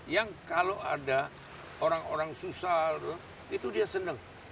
yang kalau ada orang orang susah itu dia senang